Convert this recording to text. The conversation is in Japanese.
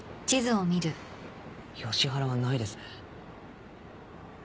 ヨシ原はないですね。